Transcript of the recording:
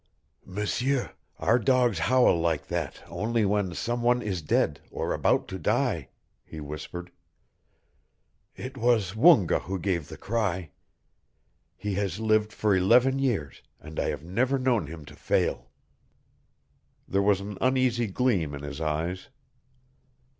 "M'seur, our dogs howl like that only when some one is dead or about to die," he whispered. "It was Woonga who gave the cry. He has lived for eleven years and I have never known him to fail." There was an uneasy gleam in his eyes.